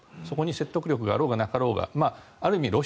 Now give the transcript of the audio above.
そこに説得力があろうがなかろうがある意味